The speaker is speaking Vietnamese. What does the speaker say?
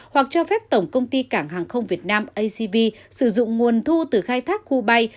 hoặc cho phép tổng công ty cảng hàng không việt nam acv sử dụng nguồn thu từ khai thác khu bay